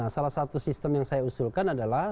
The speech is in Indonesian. salah satu sistem yang saya usulkan adalah